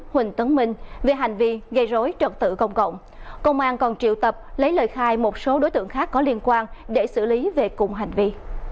huỳnh tấn minh về hành vi gây rối trật tự công cộng công an còn triệu tập lấy lời khai một số đối tượng khác có liên quan để xử lý về cùng hành vi